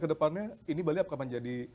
kedepannya ini bali akan menjadi